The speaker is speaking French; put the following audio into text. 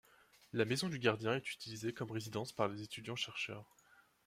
La maison du gardien est utilisée comme résidence par les étudiants chercheurs.